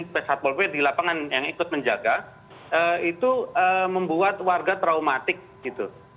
pesatpol p di lapangan yang ikut menjaga itu membuat warga traumatik gitu